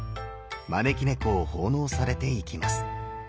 招き猫を奉納されていきます。